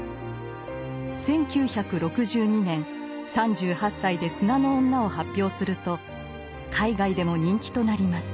１９６２年３８歳で「砂の女」を発表すると海外でも人気となります。